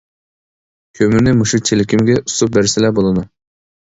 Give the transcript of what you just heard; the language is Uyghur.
كۆمۈرنى مۇشۇ چېلىكىمگە ئۇسۇپ بەرسىلە بولىدۇ.